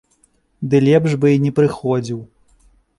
Ды лепш бы і не прыходзіў.